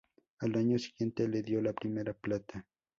Al año siguiente le dio la primera plata.